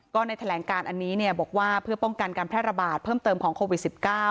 ก็ในแถลงการอันนี้เนี่ยบอกว่าเพื่อป้องกันการแพร่ระบาดเพิ่มเติมของโควิด๑๙